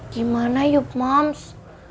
gimana yup mams